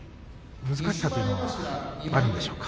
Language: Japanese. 難しさというのはあるんでしょうか？